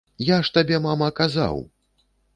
Я ж табе, мама, казаў!